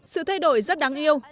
sự thay đổi rất đáng yêu